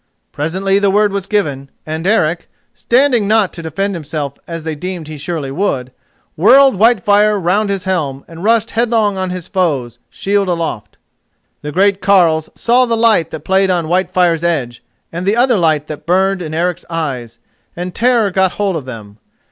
Presently the word was given, and Eric, standing not to defend himself as they deemed he surely would, whirled Whitefire round his helm and rushed headlong on his foes, shield aloft. The great carles saw the light that played on Whitefire's edge and the other light that burned in Eric's eyes, and terror got hold of them.